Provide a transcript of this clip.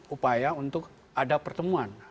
upaya untuk ada pertemuan